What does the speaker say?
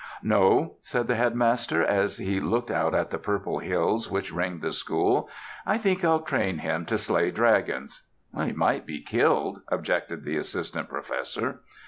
"No," said the Headmaster, as he looked out at the purple hills which ringed the school, "I think I'll train him to slay dragons." "He might be killed," objected the Assistant Professor.